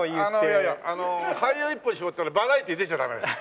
いやいや俳優一本に絞ったらバラエティー出ちゃダメです。